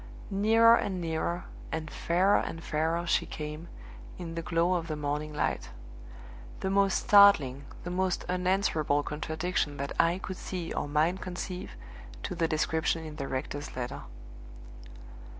Nearer and nearer, and fairer and fairer she came, in the glow of the morning light the most startling, the most unanswerable contradiction that eye could see or mind conceive to the description in the rector's letter.